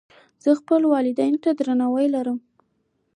زه خپلو والدینو ته درناوی لرم.